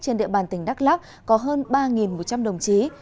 trên địa bàn tỉnh đắk lắc có hơn ba một trăm linh đồng chí